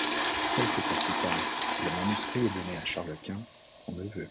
Quelque temps plus tard, le manuscrit est donné à Charles Quint, son neveu.